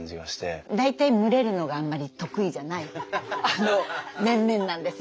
大体群れるのがあんまり得意じゃない面々なんですよ。